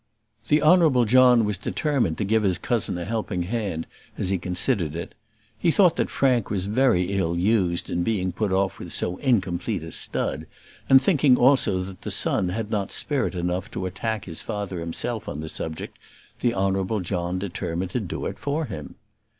The Honourable John was determined to give his cousin a helping hand, as he considered it. He thought that Frank was very ill used in being put off with so incomplete a stud, and thinking also that the son had not spirit enough to attack his father himself on the subject, the Honourable John determined to do it for him.